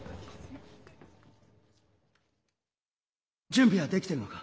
準備はできてるのか？